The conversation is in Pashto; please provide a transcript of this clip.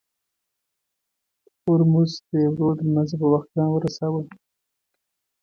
هورموز تري ورور د لمانځه پر وخت ځان ورساوه.